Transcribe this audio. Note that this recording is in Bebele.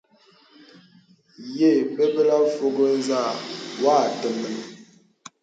Ye bəbələ fògo nzà wà àteməŋ.